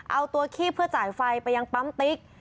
เอาตัวขี้เพื่อจ่ายไฟไปยังปั๊มติ๊ก